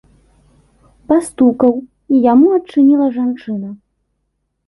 Пастукаў, і яму адчыніла жанчына.